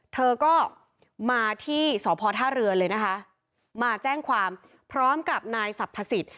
เธอก็มาที่สพท่าเรือเลยนะคะมาแจ้งความพร้อมกับนายสรรพสิทธิ